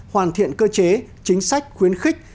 hoàn thiện cơ chế chính sách khuyến khích